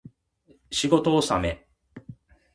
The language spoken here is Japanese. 仕事納め